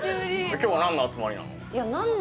今日は何の集まりなの？